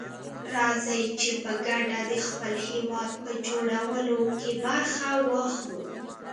راځي چي په ګډه دخپل هيواد په جوړولو کي برخه واخلو.